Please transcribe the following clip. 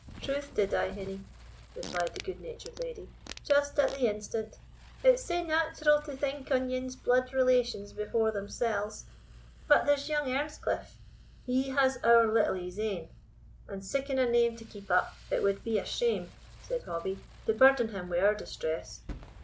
"Troth did I, hinny," replied the good natured lady, "just at the instant; it's sae natural to think on ane's blude relations before themsells; But there's young Earnscliff." "He has ower little o' his ain; and siccan a name to keep up, it wad be a shame," said Hobbie, "to burden him wi' our distress.